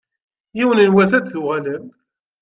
Yiwen n wass ad d-tuɣalemt.